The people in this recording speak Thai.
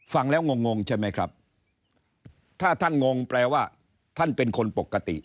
ฟังแล้วงงงงใช่ไหมครับถ้าท่านงงแปลว่าท่านเป็นคนปกติ